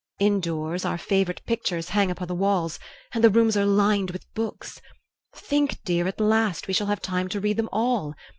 Indoors our favorite pictures hang upon the walls and the rooms are lined with books. Think, dear, at last we shall have time to read them all.